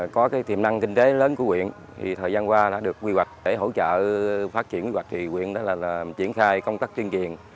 có tiềm năng kinh tế lớn của quyện thì thời gian qua đã được quy hoạch để hỗ trợ phát triển quy hoạch thì quyện đó là triển khai công tác tuyên truyền